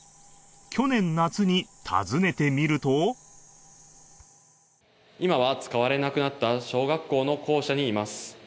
去年夏に訪ねてみると今は使われなくなった小学校の校舎にいます